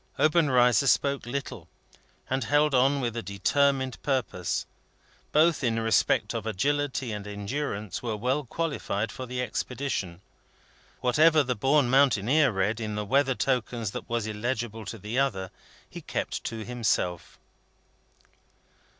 Obenreizer spoke little, and held on with a determined purpose. Both, in respect of agility and endurance, were well qualified for the expedition. Whatever the born mountaineer read in the weather tokens that was illegible to the other, he kept to himself.